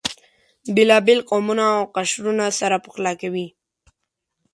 بېلابېل قومونه او قشرونه سره پخلا کړي.